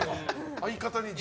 相方に。